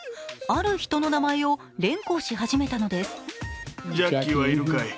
ある人の名前を連呼し始めたのです。